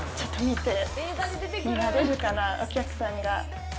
見られるかな、お客さんが。